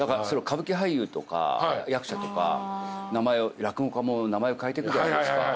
歌舞伎俳優とか役者とか落語家も名前を変えてるじゃないですか。